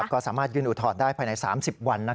ก็สามารถยื่นอุทธรณ์ได้ภายใน๓๐วัน